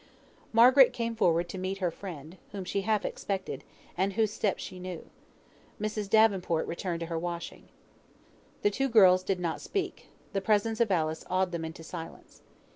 Margaret came forwards to meet her friend, whom she half expected, and whose step she knew. Mrs. Davenport returned to her washing. The two girls did not speak; the presence of Alice awed them into silence.